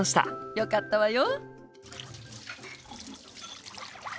よかったわよ。